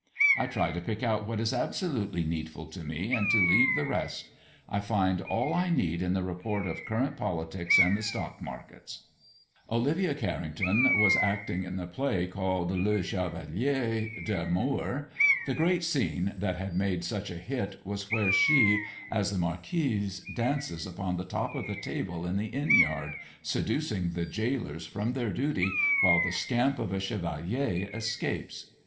I try to pick out what is absolutely needful to me and to leave the rest. I find all I need in the report of current politics and the stock markets." Olivia Carrington was acting in the play called "Le Chevalier d'Amour." The great scene that had made such a hit was where she, as the Marquise, dances upon the top of the table in the inn yard, seducing the jailers from their duty while the scamp of a chevalier escapes.